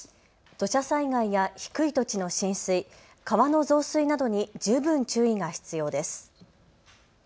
土砂災害や低い土地の浸水、川の増水などに十分注意が必要です。